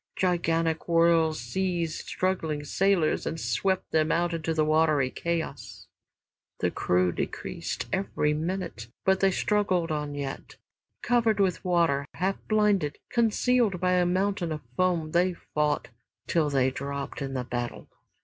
Gigantic whirls seized struggling sailors and swept them out into watery chaos. The crew decreased every minute, but they struggled on yet. Covered with water, half blinded, concealed by a mountain of foam, they fought till they dropped in the battle.